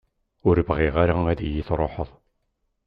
Ur bɣiɣ ara ad iyi-truḥeḍ.